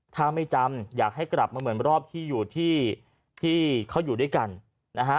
ถ้าไม่จำอยากให้กลับมาเหมือนรอบที่อยู่ที่ที่เขาอยู่ด้วยกันนะฮะ